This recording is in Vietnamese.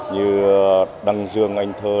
như đăng dương anh thơ lan anh